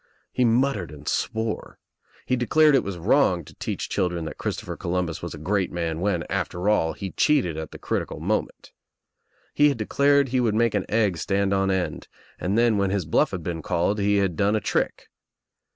He mut tered and swore. He declared it was wrong to teach children that Christopher Columbus was a great man I when, after all, he cheated at the critical moment. He I had declared he would make an egg stand on end and then when his bluff had been called he had done a trick.